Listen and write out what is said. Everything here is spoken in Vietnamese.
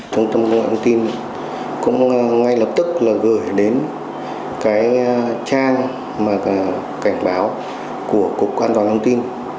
thông tin cũng ngay lập tức là gửi đến cái trang mà cảnh báo của cục an toàn thông tin